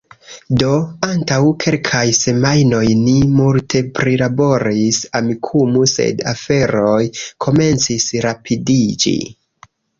Do, antaŭ kelkaj semajnoj ni multe prilaboris Amikumu, sed aferoj komencis rapidiĝi